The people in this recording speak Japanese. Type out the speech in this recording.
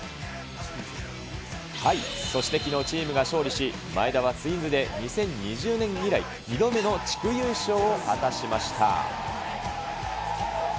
そしてきのう、チームが勝利し、前田はツインズで２０２０年以来、２度目の地区優勝を果たしました。